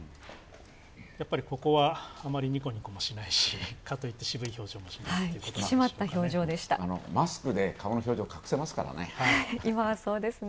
やっぱり、ここはあまりニコニコはしないしかといって、渋い表情もしないということですね。